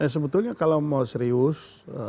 sebetulnya kalau mau serius